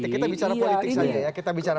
kita bicara politik saja ya